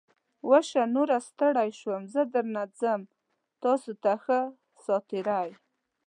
وشه. نوره ستړی شوم. زه درنه څم. تاسو ته ښه ساعتېری!